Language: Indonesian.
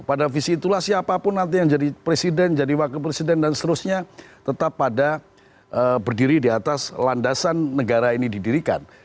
pada visi itulah siapapun nanti yang jadi presiden jadi wakil presiden dan seterusnya tetap pada berdiri di atas landasan negara ini didirikan